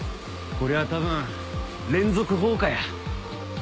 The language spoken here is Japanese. こりゃ多分連続放火や。